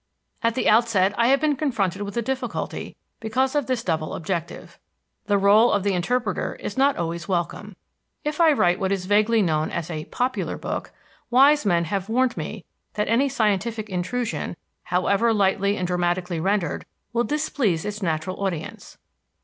At the outset I have been confronted with a difficulty because of this double objective. The rôle of the interpreter is not always welcome. If I write what is vaguely known as a "popular" book, wise men have warned me that any scientific intrusion, however lightly and dramatically rendered, will displease its natural audience.